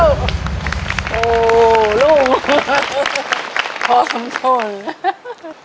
โหลูกอาร์มชน